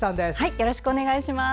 よろしくお願いします。